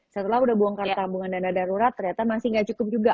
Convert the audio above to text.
setelah udah bongkar tambungan dana darurat ternyata masih gak cukup juga